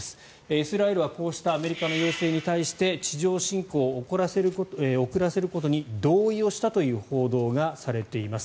イスラエルはこうしたアメリカの要請に対して地上侵攻を遅らせることに同意をしたという報道がされています。